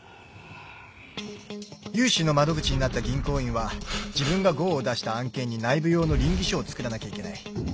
融資の窓口になった銀行員は自分がゴーを出した案件に内部用の稟議書を作らなきゃいけない。